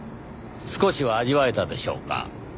少しは味わえたでしょうか？